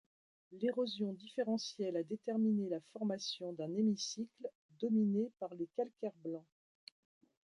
L'érosion différentielle a déterminé la formation d'un hémicycle dominé par les calcaires blancs.